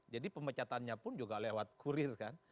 pemecatannya pun juga lewat kurir kan